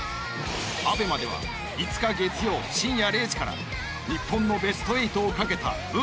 ＡＢＥＭＡでは５日月曜深夜０時から日本のベスト８をかけた運命の一戦